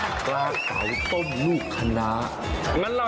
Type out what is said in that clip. ลูกคะนานี่ของลูกขนาจริงหรือ